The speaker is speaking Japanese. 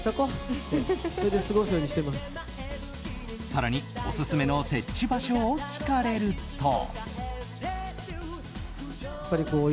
更にオススメの設置場所を聞かれると。